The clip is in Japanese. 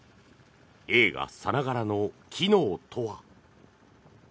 映画さながらの機能とは？